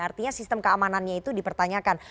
artinya sistem keamanannya itu dipertanyakan